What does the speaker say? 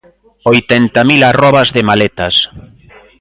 Oitenta mil arrobas de maletas.